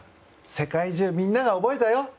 世界中みんなが覚えたよ